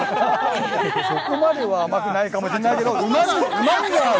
そこまでは甘くないかもしれないけど、うまみがある。